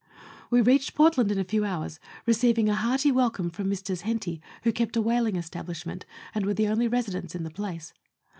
We reached Port land in a few hours, receiving a hearty welcome from Messrs. Henty, who kept a whaling establishment, and were the only residents in the place.